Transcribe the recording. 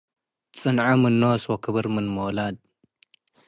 ጽንዔ ምን ኖስ ወክብር ምን ሞላድ።